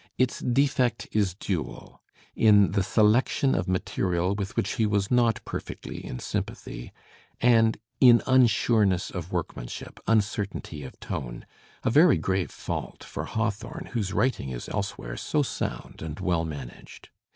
Its defect is dual, in the selection of material with which he was not perfectly in stympathy and in unsureness of workmanship, uncertainty of tone —» a very grave fault for Hawthorne whose writing is elsewhere so sound and well managed.